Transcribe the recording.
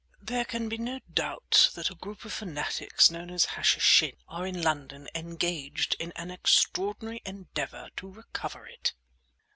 There can be no doubt that a group of fanatics known as Hashishin are in London engaged in an extraordinary endeavour to recover it."